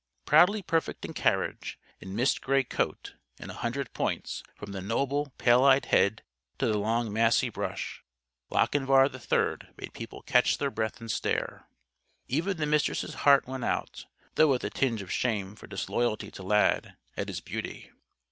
Proudly perfect in carriage, in mist gray coat, in a hundred points from the noble pale eyed head to the long massy brush Lochinvar III made people catch their breath and stare. Even the Mistress' heart went out though with a tinge of shame for disloyalty to Lad at his beauty.